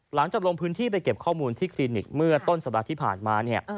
ลงพื้นที่ไปเก็บข้อมูลที่คลินิกเมื่อต้นสัปดาห์ที่ผ่านมาเนี่ย